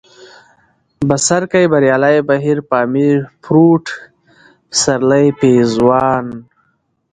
بڅرکى ، بريالی ، بهير ، پامير ، پروټ ، پسرلی ، پېزوان